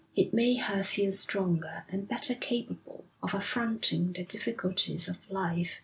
It made her feel stronger and better capable of affronting the difficulties of life.